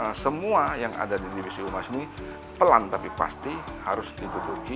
bahwa semua yang ada di divisi humas ini pelan tapi pasti harus dituduki